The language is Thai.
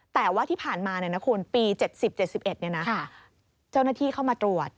แต่ว่าที่ผ่านมาคุณปี๗๐๗๑เจ้าหน้าที่เข้ามาตรวจ